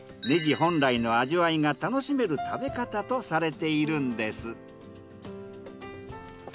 ねぎ本来の味わいが楽しめる食べ方とされているんです。